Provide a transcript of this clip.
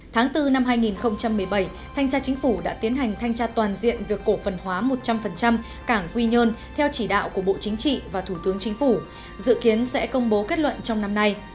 tháng bốn năm hai nghìn một mươi bảy thanh tra chính phủ đã tiến hành thanh tra toàn diện việc cổ phần hóa một trăm linh cảng quy nhơn theo chỉ đạo của bộ chính trị và thủ tướng chính phủ dự kiến sẽ công bố kết luận trong năm nay